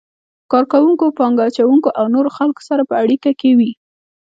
کار کوونکو، پانګه اچونکو او نورو خلکو سره په اړیکه کې وي.